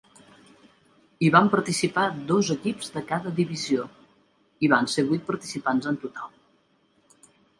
Hi van participar dos equips de cada divisió, i van ser vuit participants en total.